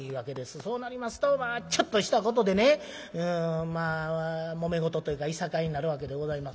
そうなりますとまあちょっとしたことでねうんまあもめ事というかいさかいになるわけでございます。